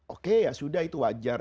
oke ya sudah itu wajar